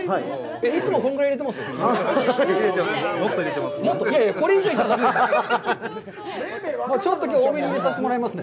いつも、こんぐらい入れてます？